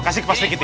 kasih kepas dikitin